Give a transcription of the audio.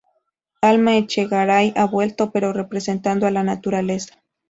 Alma Echegaray ha vuelto, pero representando a la naturaleza.